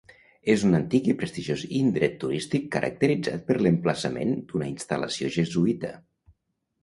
És un antic i prestigiós indret turístic caracteritzat per l'emplaçament d'una instal·lació jesuïta.